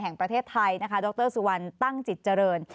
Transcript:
แห่งประเทศไทยนะคะดรสุวรรณตั้งจิตเจริญ